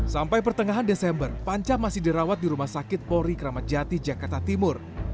sampai pertengahan desember panca masih dirawat di rumah sakit polri kramat jati jakarta timur